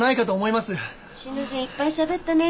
いっぱいしゃべったね？